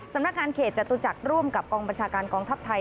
สำนักงานเขตจตุจักรร่วมกับกองบัญชาการกองทัพไทย